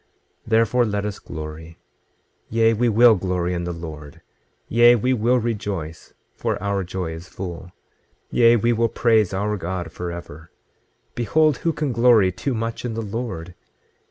26:16 Therefore, let us glory, yea, we will glory in the Lord; yea, we will rejoice, for our joy is full; yea, we will praise our God forever. Behold, who can glory too much in the Lord?